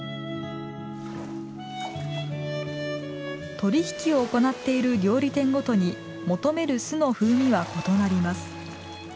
取引を行っている料理店ごとに求める酢の風味は異なります。